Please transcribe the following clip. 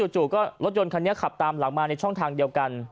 จู่ก็รถยนต์คันนี้ขับตามหลังมาในช่องทางเดียวกัน